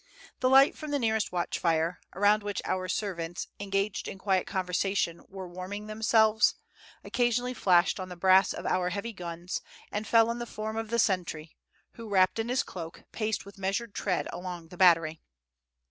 The light from the nearest watch fire, around which our servants, engaged in quiet conversation, were warming themselves, occasionally flashed on the brass of our heavy guns, and fell on the form of the sentry, who, wrapped in his cloak, paced with measured tread along the battery.